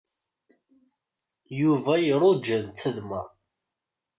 Yuba iruja netta d Mary.